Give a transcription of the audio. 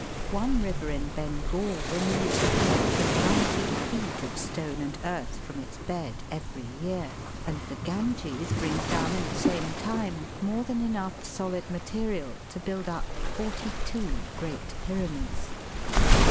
One river in Bengal removes a depth of ninety feet of stone and earth from its bed every year, and the Ganges brings down in the same time more than enough solid material to build up forty two Great Pyramids.